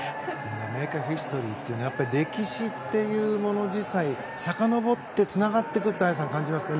メイクヒストリーっていう歴史っていうもの自体さかのぼってつながっていくのを感じますね